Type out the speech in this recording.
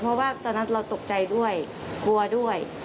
เพราะว่าตอนนั้นเราตกใจด้วยกลัวด้วย